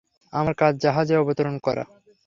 আমার কাজ জাহাজে অবতরণ করা।